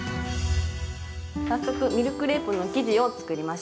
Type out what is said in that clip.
早速ミルクレープの生地を作りましょう。